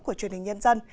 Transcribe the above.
của truyền hình nhân dân